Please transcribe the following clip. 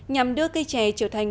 nhằm đưa cây chè trở thành